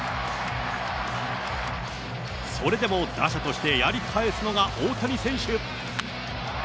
それでも打者としてやり返すのが大谷選手。